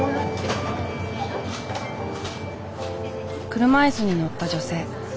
車椅子に乗った女性。